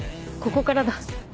ここからだ。